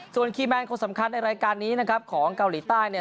ส่วนคีย์แมนคุณสำคัญในรายการนี้ของเกาหลีใต้